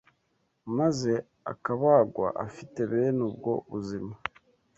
maze akabagwa afite bene ubwo buzima